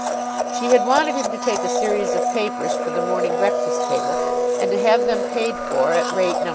She had wanted him to take a series of papers for the "Morning Breakfast Table," and to have them paid for at rate No.